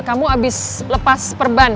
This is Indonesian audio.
kamu abis lepas perban